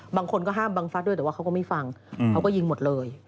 บางคนก็ห้ามบังฟัสด้วยแต่ว่าเขาก็ไม่ฟังเขาก็ยิงหมดเลย